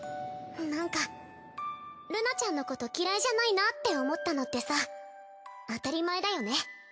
なんかルナちゃんのこと嫌いじゃないなって思ったのってさ当たり前だよね。